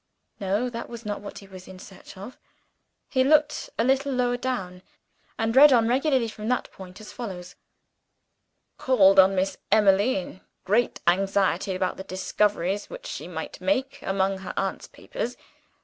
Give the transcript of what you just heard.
No: that was not what he was in search of. He looked a little lower down: and read on regularly, from that point, as follows: "Called on Miss Emily, in great anxiety about the discoveries which she might make among her aunt's papers.